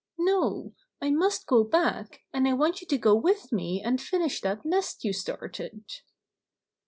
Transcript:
' "No, I must go back, and I want you to go with me and finish that nest you started."